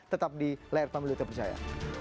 tetap di layar pemilu tv saya